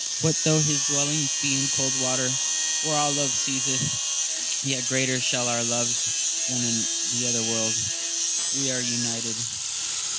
What though his dwelling be in the cold earth, where all love ceaseth, yet greater shall be our loves when in the other world we are united